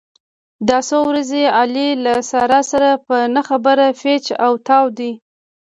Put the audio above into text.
دا څو ورځې علي له سارې سره په نه خبره پېچ او تاو دی.